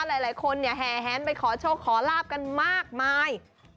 หลายคนเนี่ยแห่แหนไปขอโชคขอลาบกันมากมาย